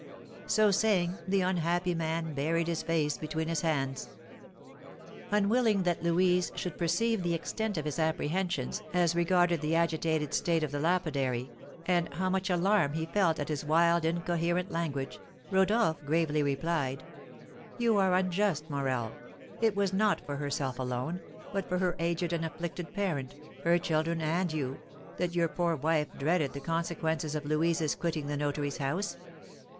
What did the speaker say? So saying, the unhappy man buried his face between his hands. Unwilling that Louise should perceive the extent of his apprehensions as regarded the agitated state of the lapidary, and how much alarm he felt at his wild, incoherent language, Rodolph gravely replied: "You are unjust, Morel; it was not for herself alone, but for her aged and afflicted parent, her children, and you, that your poor wife dreaded the consequences of Louise's quitting the notary's house.